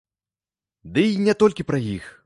Дый не толькі пра іх.